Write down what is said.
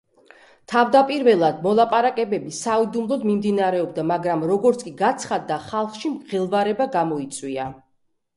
თავდაპირველად მოლაპარაკებები საიდუმლოდ მიმდინარეობდა, მაგრამ როგორც კი გაცხადდა, ხალხში მღელვარება გამოიწვია.